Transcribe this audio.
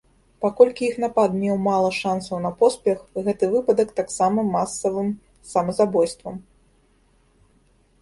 Паколькі іх напад меў мала шанцаў на поспех, гэты выпадак таксама масавым самазабойствам.